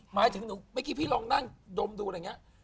หมายถึงหนูเมื่อกี้พี่ลองนั่งดมดูอะไรอย่างนี้